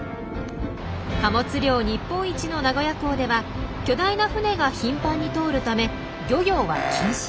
貨物量日本一の名古屋港では巨大な船が頻繁に通るため漁業は禁止。